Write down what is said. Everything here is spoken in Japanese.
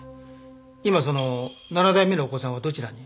今その７代目のお子さんはどちらに？